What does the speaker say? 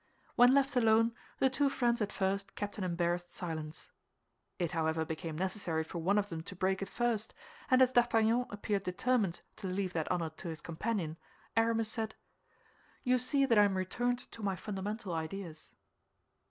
When left alone, the two friends at first kept an embarrassed silence. It however became necessary for one of them to break it first, and as D'Artagnan appeared determined to leave that honor to his companion, Aramis said, "you see that I am returned to my fundamental ideas."